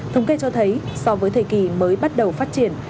thống kê cho thấy so với thời kỳ mới bắt đầu phát triển